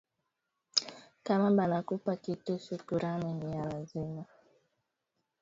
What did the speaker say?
Kama banakupa kitu shukurani niya lazima